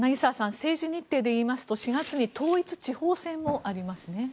政治日程でいいますと４月に統一地方選もありますね。